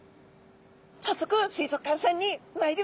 早速水族館さんにまいりましょう。